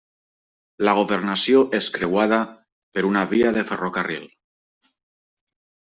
La governació és creuada per una via de ferrocarril.